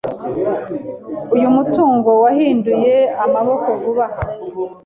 Uyu mutungo wahinduye amaboko vuba aha.